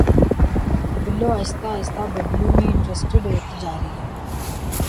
بلو آہستہ آہستہ ببلو میں انٹرسٹیڈ ہوتی جا رہی ہے